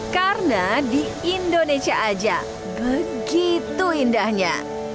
karena di indonesia saja begitu indahnya